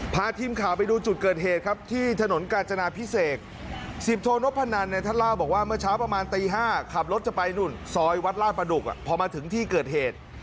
พาทีมข่าวไปดูจุดเกิดเหตุครับที่ถนนกาญจนาพิเศษ๑๐โทนพนันเนี่ยท่านเล่าบอกว่าเมื่อเช้าประมาณตี๕ขับรถจะไปนู่นซอยวัดลาดประดุกพอมาถึงที่เกิดเหตุ